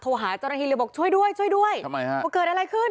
หาเจ้าหน้าที่เลยบอกช่วยด้วยช่วยด้วยทำไมฮะว่าเกิดอะไรขึ้น